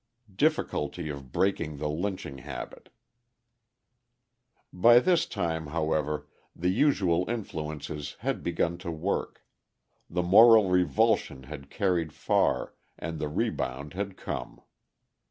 Difficulty of Breaking the Lynching Habit By this time, however, the usual influences had begun to work; the moral revulsion had carried far, and the rebound had come.